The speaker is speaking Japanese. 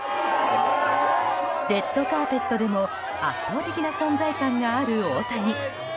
レッドカーペットでも圧倒的な存在感がある大谷。